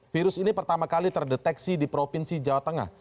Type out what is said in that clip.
virus ini pertama kali terdeteksi di provinsi jawa tengah